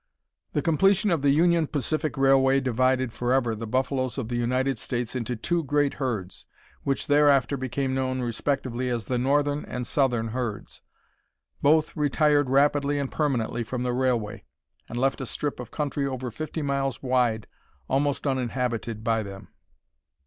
The completion of the Union Pacific Railway divided forever the buffaloes of the United States into two great herds, which thereafter became known respectively as the northern and southern herds. Both retired rapidly and permanently from the railway, and left a strip of country over 50 miles wide almost uninhabited by them.